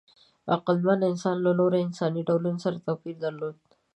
عقلمن انسانان له نورو انساني ډولونو سره توپیر درلود.